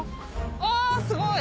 あすごい！